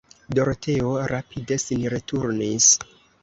Doroteo rapide sin returnis.